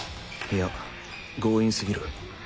いや強引すぎる。